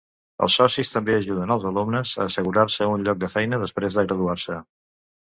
Els socis també ajuden els alumnes a assegurar-se un lloc de feina després de graduar-se.